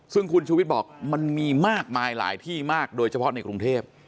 ซึ่งคุณชูวิทย์บอกมันมีมากมายหลายที่มากโดยเฉพาะในกรุงเทพ